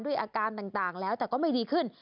อาการต่างแล้วแต่ก็ไม่ดีขึ้น